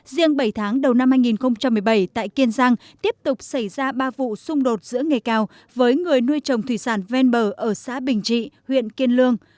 riêng bảy tháng đầu năm hai nghìn một mươi bảy tại kiên giang tiếp tục xảy ra ba vụ xung đột giữa nghề cao với người nuôi trồng thủy sản ven bờ ở xã bình trị huyện kiên lương